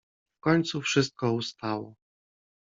W końcu wszystko ustało.